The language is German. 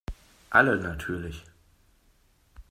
Alle natürlich.